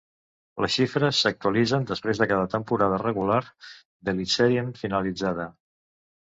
Les xifres s'actualitzen després de cada temporada regular d'Elitserien finalitzada.